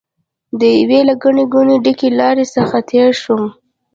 د یوې له ګڼې ګوڼې ډکې لارې څخه تېر شوم.